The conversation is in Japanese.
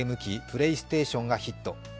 プレイステーションがヒット。